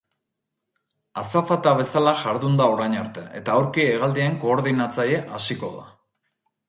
Azafata bezala jardun da orain arte eta aurki hegaldien koordinatzaile hasiko da.